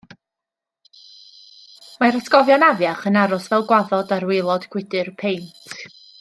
Mae'r atgofion afiach yn aros fel gwaddod ar waelod gwydr peint